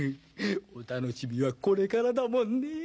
お楽しみはこれからだもんねえ